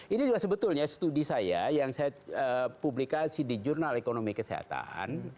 ini juga sebetulnya studi saya yang saya publikasi di jurnal ekonomi kesehatan